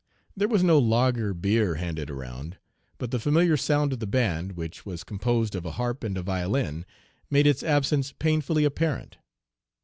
There was no lager beer handed around, but the familiar sound of the band, which was composed of a harp and a violin, made its absence painfully apparent.